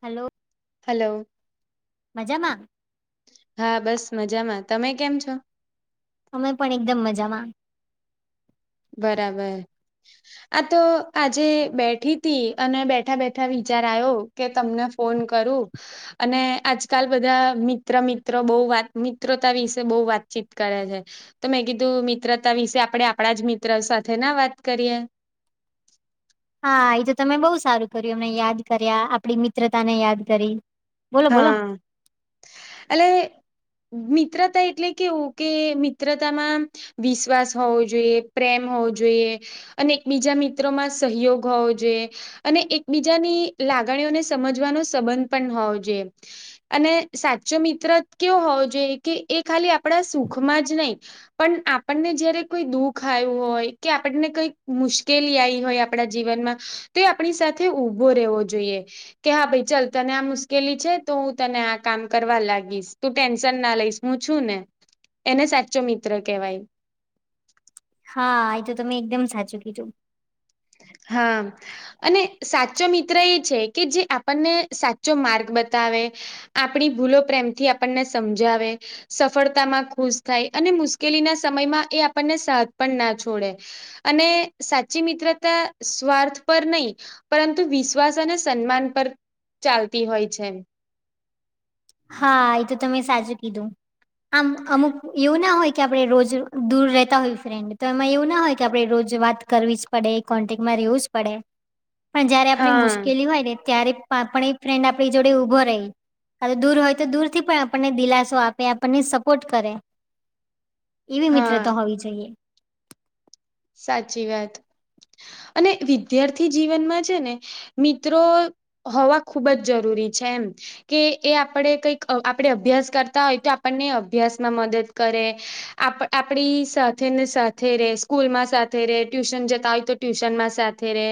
Hello. Hello. મજામાં? હા, બસ મજામાં. તમે કેમ છો? અમે પણ એકદમ મજામાં. બરાબર. આ તો આજે બેઠી હતી અને બેઠા બેઠા વિચાર આયો કે તમને ફોન કરું. અને આજકાલ બધા મિત્ર મિત્રો બહુ વાત મિત્રતા વિશે બહુ વાતચીત કરે છે. તો મેં કીધું મિત્રતા વિશે આપડે આપડા અજ મિત્ર સાથે ના વાત કરીએ. હા, એ તો તમે બહુ સારું કર્યું એમને યાદ કર્યા આપડી મિત્રતા ને યાદ કરી. બોલો બોલો હા, અલે મિત્રતા એટલે કેવું કે મિત્રતામાં વિશ્વાસ હોવો જોઈએ પ્રેમ હોવો જોઈએ અને એક બીજા મિત્રોમાં સહયોગ હોવો જે અને એકબીજાની લાગણીઓને સમજવાનો સંબંધ પણ હોવો જોઈએ. અને સાચો મિત્ર કેવો હોવો જોઈએ કે એ ખાલી આપડા સુખમાં જ નહી પણ આપણને જયારે કોઈ દુઃખ આયું હોય કે આપણને કઈક મુશ્કેલી આવી હોય આપડા જીવનમાં તે આપણી સાથે ઉભો રહેવો જોઈએ કે હા ભાઈ ચાલ તને આ મુસ કેલી છે તો હું તને આ કામ કરવા લાગીશ તું ટેન્શન ના લઈશ હું છું ને. એને સાચો મિત્ર કહેવાય. હ, એ તો તમે એકદમ સાચું કીધું. હા. અને સાચો મિત્ર એ છે કે જે આપણને સાચો માર્ગ બતાવે આપણી ભૂલો પ્રેમથી આપણને સમજાવે સફળતામાં ખુશ થાય અને મુશ્કેલીના સમયમાં એ આપણને સાહથ પણ ના છોડે. અને સાચી મિત્ર તા સ્વાર્થ પર નહી પરંતુ વિશ્વાસ અને સન્માન પર ચાલતી હોય છે એમ. હા, એ તો તમે સાચું કીધું. આમ અમુક એવું ના હોય કે આપડે રોજ દૂર રહેતા હોય ફ્રેન્ડ તો એમાં એવું ના હોય કે આપડે રોજ વાત કરવી જ પડે, કોન્ટેકમાં રહેેવું જ પડે. પણ જયારે આપણે હા મુશ્કેલી હોય ને ત્યારે પણ એ ફ્રેન્ડ આપણી જોડે ઊભો રહી. ખાલ દૂર હોય તો દૂર થી પણ આપણને દિલાસો આપે આપણને સપોર્ટ કરે. એવી હા મિત્રતા હોવી જોઈએ. સાચી વાત અને વિદ્યાર્થી જીવનમાં છે ને મિત્રો હોવા ખુબ જ જરૂરી છે એમ. કે એ આપડે કઈક અહ આપડે અભ્યાસ કરતા હોય તો આપણને અભ્યાસમાં મદદ કરે. આપ આપડી સાથે ને સાથે રેશ સ્કૂલ માં સાથે રે ટ્યુશન જતા હોય તો ટ્યુશન માં સાથે રે.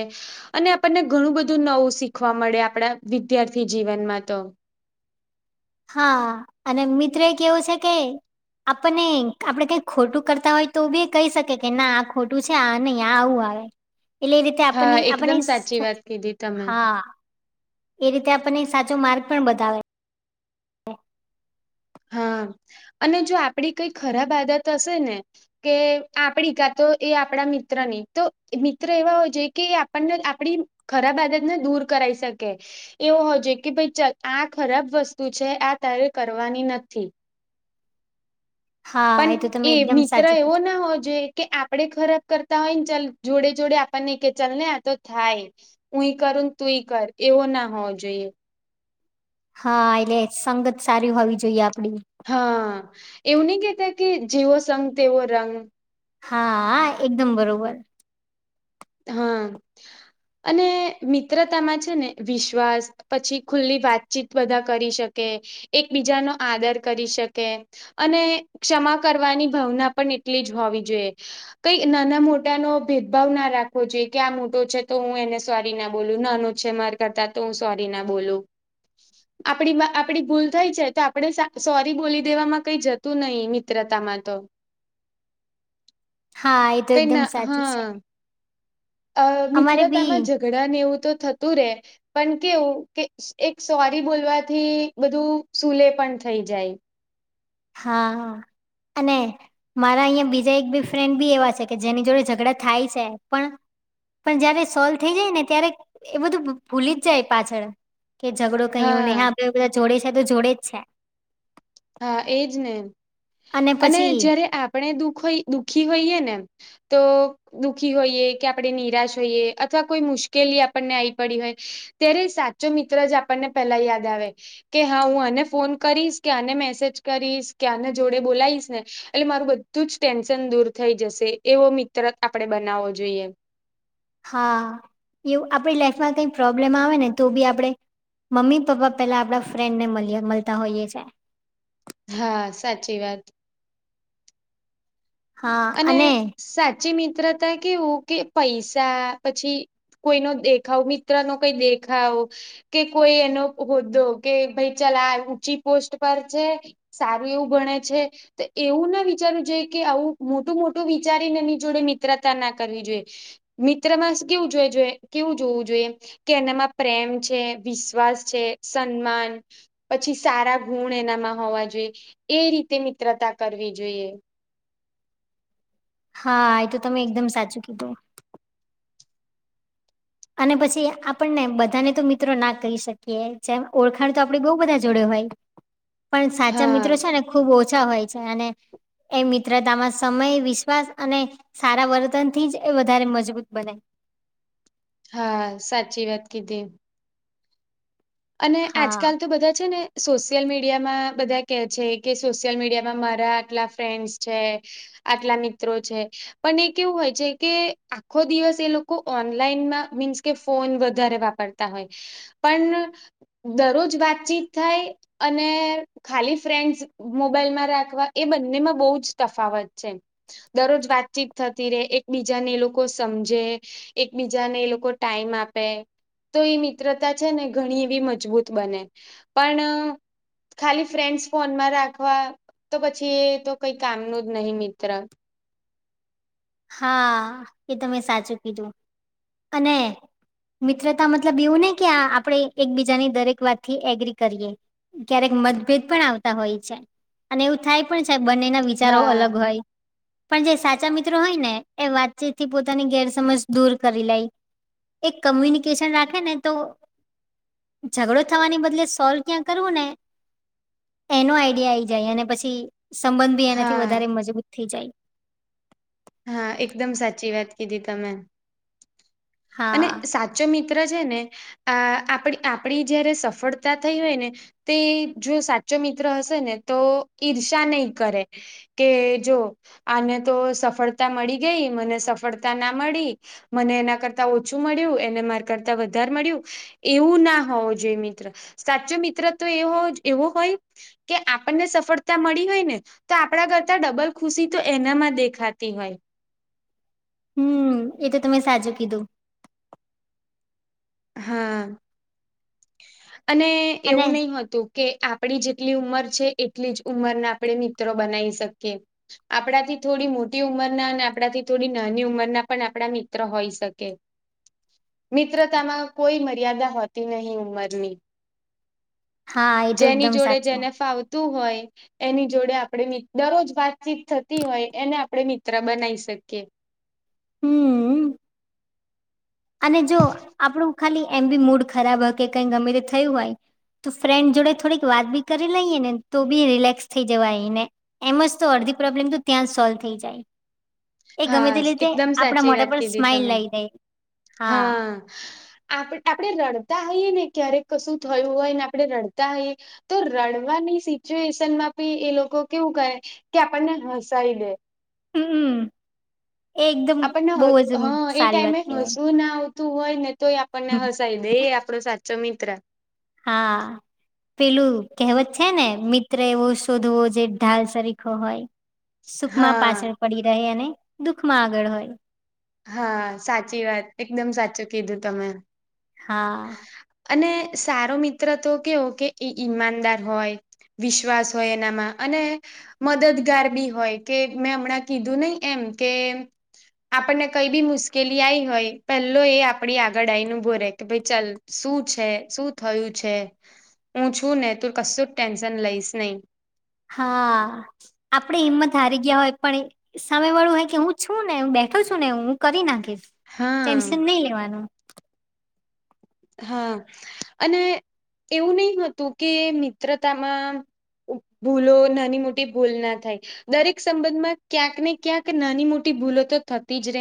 અને આપણને ઘણું બધું નવું શીખવા મળે આપડા વિદ્યાર્થી જીવનમાં તો. હા, અને મિત્ર એક એવો છે કે આપણને આપડે કઈ ખોટું કરતા હોય તો બી કહી શકે કે ના આ ખોટું ન આ આવું આવે. એટલે એ રીતે હા આપની આપને એકદમ સાચી વાત કીધી તમે હા એ રીતે આપણને સાચો માર્ગ પણ બતાવે [inaudible] હા અને જો આપડી કઈ ખરાબ આદત હશે ને. કે આપડી કા તો એ આપણા મિત્ર નહી તો મિત્ર એવા હોય જોઈએ કે આપણને આપડી ખરાબ આદતને દૂર કરાઈ શકે. એવું હો જો કે ભાઈ આ ખરાબ વસ્તુ છે આ તારે કરવાની નથી. હા પણ તો એ તમે એકદમ મિત્ર સાચું એવો કીધું ના હોવ જોઈ કે આપડે ખરાબ કરતા હોય ને ચાલ જોડે જોડે આપણને કે ચાલ ને આ તો થાય. હું કર ને તું કર એવો ના હોવો જોઈએ. હા એટલે સંગત સારી હોવી જોઈએ આપડી. હા એવું નહી કેતા કે જેવો સંગ તેવો રંગ. હા એકદમ બરોબર. હા અને મિત્રતામાં છે ને વિશ્વાસ પછી ખુલ્લી વાતચીત બધા કરી શકે એકબીજાનોો આદર કરી શકે અને ક્ષમા કરવાની ભાવના પણ એટલી જ હોવી જોઈએ. કઈ નાના મોટા નો ભેદભાવ ના રાખ જોઈએ ક્યાં મોટો છે તો હું એને સોરી ના બોલું નાન છેે માર કરતા તો હું સોરી ના બોલું. [inaudible] આપડી આપડી ભૂલ થઈ છે તો આપણે સોરી બોલી દેવામાં કઈ જતું નહીિ મિત્રતામાં તો. હા એ તો ક એકદમ ના સાચું છે હા. અ અમારે બી મિત્રતામાં ઝઘડા ને એવું તો થતું રેય. પણ કેવું કે એક સોરી બોલવાથી બધું સુલે પણ થઈ જાય. હા હા અને મારા અહીંયા બીજા એક બે ફ્રેન્ડ બી એવા છે કે જેની જોડે ઝઘડા થાય છે પણ પણ જયારે સોલ્વ થઈ જાય ને ત્યારે એ બધું ભૂલી જ જાય પાછળ કે ઝઘડો કયું ને હા આપડ બધા જોડે છે તો જોડે જ છે. હા એજ ને અને જયારે આપણે દુખ હો દુઃખી હોઈએ ને તો. દુઃખી હોઈએ કે આપણે નિરાશ હોઈએ અથવા કોઈ મુશ્કેલી આપણને આવી પડી હોય ત્યારે સાચો મિત્ર જ આપણને પેલા યાદ આવે કે હા હું અનેને ફોન કરીશ કે અને મે મેસેજ કરીશ કે આના જોડે બોલાવીશ ને એટલે મારું બધું જ ટેન્શન દૂર થઈ જશે એવો મિત્ર આપણેે બનાવવો જોઈએ હા એવું આપડી લાઈફમાં કઈ પ્રોબ્લેમ આવે ને તો બી આપણે મમ્મી પપ્પા પેલા આપણા ફ્રેન્ડ ને મળ મળતા હોઈએ છ છેએ હા સાચી વાત. અને સાચી મિત્રતા કેવું કે પૈસા પછી કોઈ ન દેખાવ મિત્ર નો કઈ દેખાવ કે કોઈ એનો હોદ્દો કે ભાઈ ચાલ આ ઊંચી પોસ્ટ પર છે. સારું એવું ભણે છે તો એવું ના વિચારવું જોઈ કે આવું. મોટું મોટું વિચારીને એની જોડે મિત્રતા ના કરવી જોઈએ. મિત્ર માસ કેવું જો જોઈએ કેવું જોવું જોઈએ કે એનામાં પ્રેમ છે વિશ્વાસ છે સન્માન પછી સારા ગુણ એનામાં હોવા જોઈએ એ રીતે મિત્રતા કરવી જોઈએ. હા એ તો તમે એકદમ સાચું કીધું. અને પછી આપણને બધાને તો મિત્રો ના કહી શકીએ જેમ ઓળખાણ તો આપડે બહુ બધા જોડ હોય. [inaudible] પણ સાચા મિત્રો હા છે ને ખુબ ઓછા હોય છે અને એ મિત્રતામાં સમય વિશ્વાસ અને સારા વર્તન થી જ એ વધારે મજબૂત બનાય હા સાચી વાત કીધી અને હા આજકાલ તો બધા છે ને સોશિયલ મીડિયામાં બધા કે છે કે સોશિયલ મીડિયામાં મારા આટલા ફ્રેન્ડ્સ છે આટલા મિત્રો છે પણ એ કેવું હોય છે કે આખો દિવસ એ લોકો ઓનલાઈનમાં મીન્સ કે ફોન વધારે વાપરતા હોય પણ દરરોજ વાતચીત થાય અને ખાલી ફ્રેન્ડસ મોબાઈલમાં રાખવા એ બંનેમાં બહુ જ તફાવત છે દરરોજ વાતચીત થતી રે એકબીજાને એ લોકો સમજે એકબીજાને એ લોકો ટાઈમ આપે તો એ મિત્રતા છે ને ઘણી બી મજબૂત બને પણ ખાલી ફ્રેન્ડસ ફોનમાં રાખવા તો પછી એ તો કઈ કામ ન જ નહી મિત્ર. હા એ તમે સાચું કીધું અને મિત્રતા મતલબ એવું ને કે આપડણે એકબીજાની દરેક વાત થી એગ્રી કરીએ ક્યારેક મતભેદ પણ આવતા હોય છે અને એવું થાય પણ છે બંનેના વિચારો હા અલગ હોય પણ જે સાચા મિત્ર હોય ને એ વાતચીત થી પોતાની ગેરસમજ દૂર કરી લાય એક કમ્યુનિકેશન રાખે ને તો ઝઘડો થવાની બદલે સોલ્વ ક્યાં કરવું ને એનો આઈડિયા આઈ જાય અને પછી સંબંધ ભી એનાથી હા વધારે મજબૂત થઈ જાય. હા એકદમ સાચી વાત કીધી તમે અને હા, સા જો મિત્ર છે ને અ આપ આપડી જયારે સફળતા થઈ હોય ને તે જો સાચો મિત્ર હશે ને તો ઈર્ષ્યા નહી કરે કે જો આને તો સફળતા મળી ગઈ મને સફળતા ના મળી મને એના કરતા ઓછું મળ્યું એને માર કરતા વધારે મળ્યું એવું ના હોવું જોઈએ મિત્ર સાચો મિત્ર તો એવો એવો હોય કે આપણને સફળતા મળી હોય ને તો આપણા કરતા ડબલ ખુશી તો એનામાં દેખા તી હોય હમ્મ એ તો તમે સાચું કીધું હા અને અને એવું નહી હતું કે આપડી જેટલી ઉંમર છે એટલી જ ઉંમરના આપણે મિત્રો બનાવી શકીએ આપણાથી થોડી મોટી ઉંમરના અને આપણાથી થોડી નાની ઉંમરના પણ આપણા મિત્ર હોઈ શકે મિત્ર આમાં કોઈ મર્યાદા હોતી નહી ઉંમરની હા, એ તો જેની એકદમ જોડે સાચું. જેને ફાવતું હોય એની જોડે આપણે દરરોજ વાતચીત થતી હોય એને આપણે મિત્ર બનાવી શકીએ હમ્મ અને જો આપણું ખાલી એમ બી મૂડ ખરાબ હ કે કઈ ગમે તે થયું હોય તો ફ્રેન્ડ જોડે થોડીક વાત બી કરી લઈએ ને તો બી રિલેક્સ થઈ જવા એને એમ જ તો અડધી પ્રોબ્લેમ તો ત્યાં જ સોલ્વ થઈ જાય એ ગમે હા તે રીતે એકદમ આપડા સાચી મોઢા વાત પર કીધી સ્માઈલ તમે લાવી જાય હા આપ આપણે રડતા હોઈએ ને ક્યારેક કશું થયું હોય ને આપણે રડતા હોઈએ તો રડવાની સિચ્યુએશન માં બી એ લોકો કેવું કહે કે આપણને હસાઈ દે. હમ્મ એ એકદમ આપણને બહુ હ જ સારી વાત કેહેવાય તું હોય ને તોય આપણને હસાવી દે એ આપણો સાચો મિત્ર હા પેલું કહેવત છે ને મિત્ર એવો શોધવો જે ઢાલ સરરીખો હોય સુખ માં હા પાછળ પડી રહે અને દુઃખ માં આગળ હોય હા સાચી વાત, એકદમ સાચું કીધું તમે. હા અને સારો મિત્ર તો કેવો કે એ ઈમાનદાર હોય. વિશ્વાસ હોય એનામાં અને મદદગાર બી હોય કે મેં હમણાં કીધું નહી એમ કે આપણને કઈ બી મુશ્કેલી આઈ હોય પેલો એ આપડી આગળ આઈ ન બોરે કે ભાઈ ચાલ શું છે શું થયું છે હુ છુને, તુ કશુ જ ટેન્શન લઈશ નહી. હા આપડે હિમત હારી ગયા હોય પણ સમય વાળું હોય કે હું છુને, હુ બેઠો છુને હુ કરી નાખીશ હા ટેન્શન નહી લેવાનુ હા અને એવું નહ હતુ કે મિત્રતામા ભૂલો નાની મોટી ભૂલ ના થાય. દરેક સંબંધમાં ક્યાંક ને ક્યાંક નાની મોટી ભૂલો તો થતી જ ર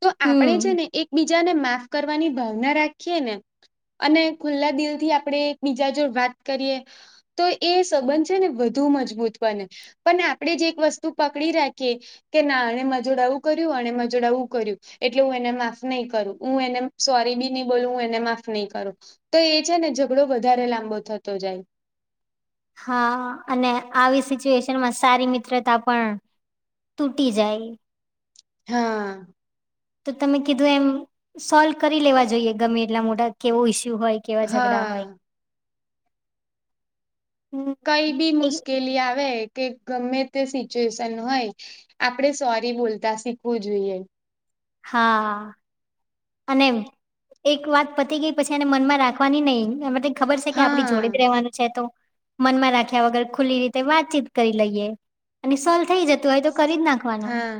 તો આપણેે હમ છેને, એકબીજાને માફ કરવાની ભાવના રાખીએ ને અને ખુલ્લા દિલ થી આપણે એક બીજા જો વાત કરીએ તો એ સંબંધ છેને, વધુ મજબૂત બને પણ આપણેે જ એક વસ્તુ પકડી રાખીએ કે ના એણે મ જોોડા એું કર્યુ અને મજોડા આવું કર્યુ એટલે હુ એને માફ નહી કરુ હુ એને સોરી બી નહી, બોલુ હુ એને માફ નહી કરો તો એ છે ને ઝઘડો વધારે લાંબો થતો જાય. હા અને આવી સિચ્યુએશનમાં સારી મિત્રતા પણ તૂટી જાય. હા તો તમે કીધું એમ સોલ્વ કરી લેવા જોઈએ ગમે એટલા મોટા કેવો ઈસ્યુ હોય. કેવા ઝઘડા હોય. હા હમ કઈ બી એ મુશ્કેલી આવે કે ગમે તે સિચ્યુએશન હોય આપણેે સોરી બોલતા શીખવું જોઈએ. હા અને એક વાત પતી ગઈ પછી એને મનમાં રાખવાની નહિ મ ખબર છે કે આપડી જોડીે જ હા રહેવાનું છે તો મનમાં રાખ્યા વગર ખુલ્લી રીતે વાતચીત કરી લઈએ. અને સોલ્વ થઈ જતું હોય તો કરી જ નાખવાનુ હા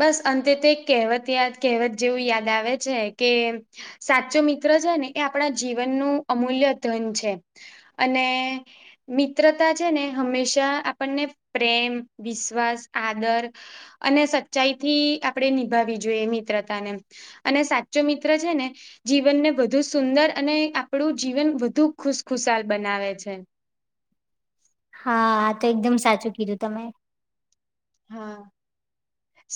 બસ અંતે તો એક કહેવત યાદ કહેવત જેવું યાદ આવે છેકે સાચો મિત્ર છે ને એ આપણા જીવનનું અમૂલ્ય ધન છે. અને મિત્રતા છેને, હમેશા આપણને પ્રેમ વિશ્વાસ આદર અને સચ્ચાઈ થી આપણેે નિભાવી જોઈએ મિત્રતા ને અને સાચો મિત્ર છેને. જીવનને વધુ સુંદર અને આપણું જીવન વધુ ખુશખુશાલ બનાવે છે. હાા તો એકદમ સાચું કીધુ તમે હા,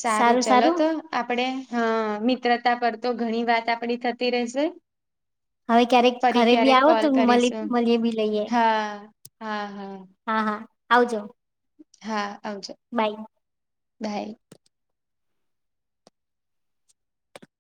સારુ સારું ચલો સારું તો આપડે હા મિત્રતા પર તો ઘણી વાત આપડી થતી રહેશે હવે ક્યારેક ફરી ઘરે બી ક્યારેક આવો કોલ તો કરીશું મળએ બી લઈએ હા હા હા હા આવાજો હા આવજ બાય બાય